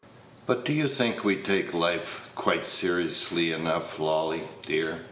But do you think we take life quite seriously enough, Lolly, dear?